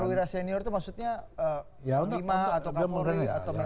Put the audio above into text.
perwira senior itu maksudnya lima atau kak polri atau menurutmu polhuka